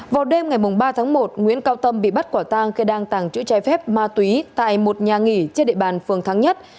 vào đêm ngày ba tháng một nguyễn cao tâm bị bắt quả tang khi đang tàng trữ trái phép ma túy tại một nhà nghỉ trên địa bàn phường thắng nhất